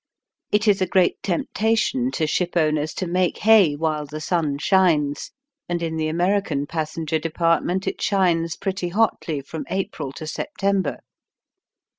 It is a great temptation to shipowners to make hay while the sun shines, and in the American passenger depart ment it shines pretty hotly from April to September.